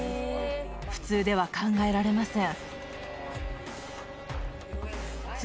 普通では考えられません。